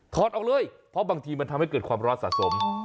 ออกเลยเพราะบางทีมันทำให้เกิดความร้อนสะสม